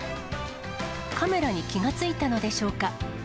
カメラに気が付いたのでしょうか。